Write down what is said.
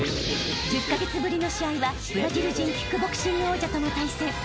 ［１０カ月ぶりの試合はブラジル人キックボクシング王者との対戦］